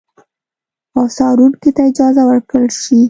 او څارونکو ته اجازه ورکړل شي